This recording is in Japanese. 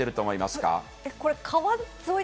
これ、川沿い？